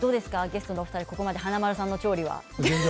ゲストのお二人ここまで華丸さんの調理は？